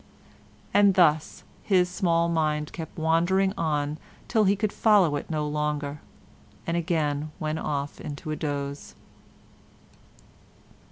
And thus his small mind kept wandering on till he could follow it no longer, and again went off into a doze.